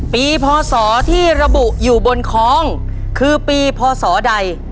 พศที่ระบุอยู่บนคล้องคือปีพศใด